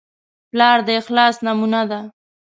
پلار د اخلاص نمونه ده.